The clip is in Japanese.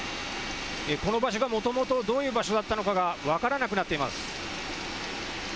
この場所がもともとどういう場所だったのかが分からなくなっています。